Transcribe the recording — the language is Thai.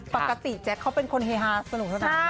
ปกติแจ็คเขาเป็นคนเฮฮาสนุกใช่ไหม